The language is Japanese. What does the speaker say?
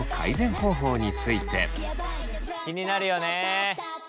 気になるよね。